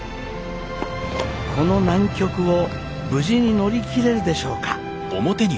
この難局を無事に乗り切れるでしょうか。